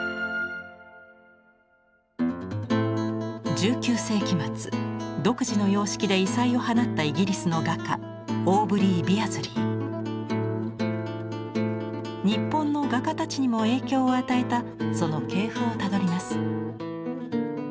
１９世紀末独自の様式で異彩を放ったイギリスの画家日本の画家たちにも影響を与えたその系譜をたどります。